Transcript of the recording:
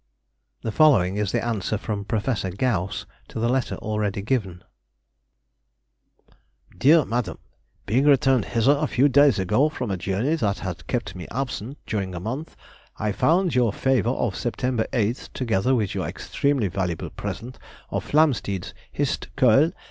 _] The following is the answer from Professor Gauss to the letter already given:— DEAR MADAM,— Being returned hither a few days ago from a journey that had kept me absent during a month, I found your favour of September 8th, together with your extremely valuable present of Flamsteed's "Hist. Cœl.